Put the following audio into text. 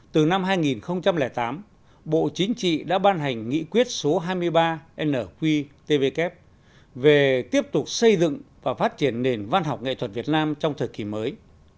từ năm hai nghìn tám bộ chính trị đã ban hành nghị quyết số hai mươi ba nqtvk về tiếp tục xây dựng và phát triển nền văn học nghệ thuật việt nam trong thời kỳ mới